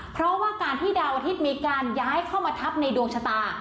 เพราะว่าการที่ดาวอาทิตย์มีการย้ายเข้ามาทับในดวงชะตา